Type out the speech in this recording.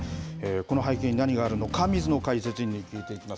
この背景に何があるのか、水野解説委員に聞いていきます。